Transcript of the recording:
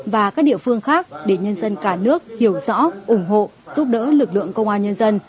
và các địa phương khác để nhân dân cả nước hiểu rõ ủng hộ giúp đỡ lực lượng công an nhân dân